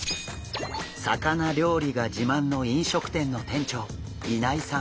魚料理が自慢の飲食店の店長稲井さん。